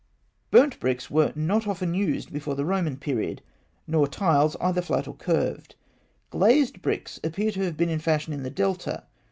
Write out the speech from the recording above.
Burnt bricks were not often used before the Roman period (Note 4), nor tiles, either flat or curved. Glazed bricks appear to have been the fashion in the Delta.